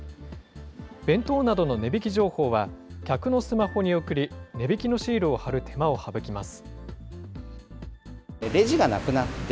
弁当などの値引き情報は、客のスマホに送り、値引きのシールを貼る手間を省きます。